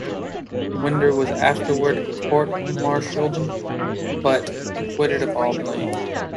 Winder was afterward court-martialed, but was acquitted of all blame.